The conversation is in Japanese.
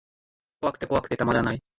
怖くて怖くてたまらない